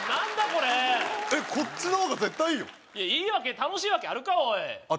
これえっこっちの方が絶対いいよいやいいわけ楽しいわけあるかおい頭